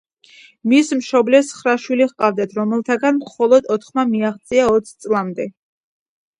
მის მშობლებს ცხრა შვილი ჰყავდათ, რომელთაგან მხოლოდ ოთხმა მიაღწია ოც წლამდე.